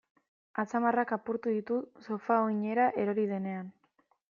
Atzamarrak apurtu ditu sofa oinera erori denean.